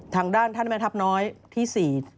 ทางด้านท่านแม่ทัพน้อยที่๔